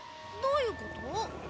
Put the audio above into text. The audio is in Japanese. どういうこと？